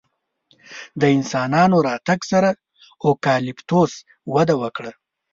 د انسانانو راتګ سره اوکالیپتوس وده وکړه.